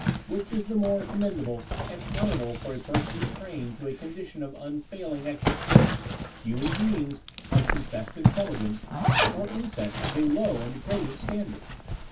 Which is it the more commendable and honourable for a person to train to a condition of unfailing excellence, human beings of confessed intelligence or insects of a low and degraded standard?